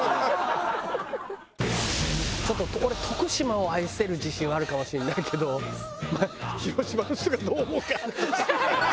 ちょっと俺徳島を愛せる自信はあるかもしれないけど広島の人がどう思うか。